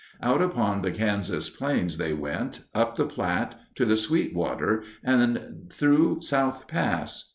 Out upon the Kansas plains they went, up the Platte, to the Sweetwater, and through South Pass.